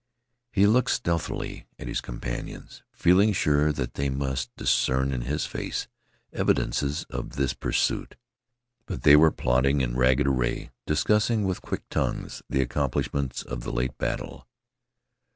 He looked stealthily at his companions, feeling sure that they must discern in his face evidences of this pursuit. But they were plodding in ragged array, discussing with quick tongues the accomplishments of the late battle.